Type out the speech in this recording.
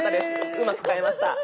うまく買えました。